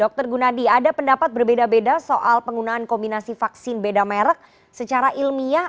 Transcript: dr gunadi ada pendapat berbeda beda soal penggunaan kombinasi vaksin beda merek secara ilmiah